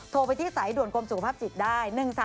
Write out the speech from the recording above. โทรไปที่สายด่วนกรมสุขภาพจิตได้